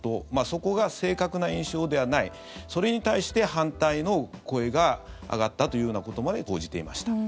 そこが正確な印象ではないそれに対して反対の声が上がったというようなことまで報じていました。